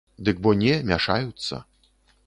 Дык бо не, мяшаюцца.